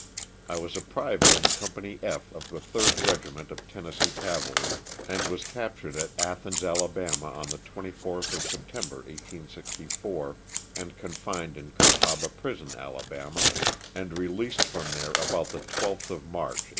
I was a private in Company F of the 3rd Regiment of Tennessee Cavalry, and was captured at Athens, Ala., on the the 24th of September, 1864, and confined in Cahaba Prison, Ala., and released from there about the 12th of March, 1865.